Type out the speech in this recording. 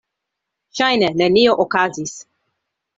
Ŝajne nenio okazis.